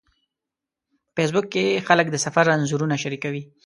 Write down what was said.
په فېسبوک کې خلک د سفر انځورونه شریکوي